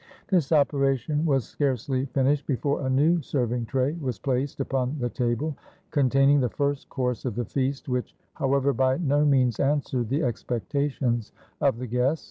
This operation was scarcely finished, before a new serving tray was placed upon the table, containing the first course of the feast, which, however, by no means answered the expectations of the guests.